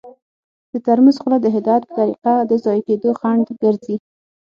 د ترموز خوله د هدایت په طریقه د ضایع کیدو خنډ ګرځي.